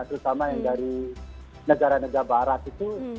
terutama yang dari negara negara barat itu